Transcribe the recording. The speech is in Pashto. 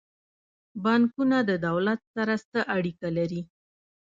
بانکونه د دولت سره څه اړیکه لري؟